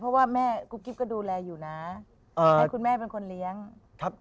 เพราะว่าแม่กิ๊บดูแลอยู่นะและคุณแม่เป็นคนเลี้ยงเราคุณ